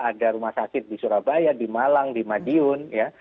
ada rumah sakit di surabaya di malang di madiun ya